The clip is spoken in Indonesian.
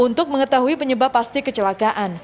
untuk mengetahui penyebab pasti kecelakaan